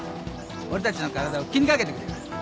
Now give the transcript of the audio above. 俺たちの体を気に掛けてくれる。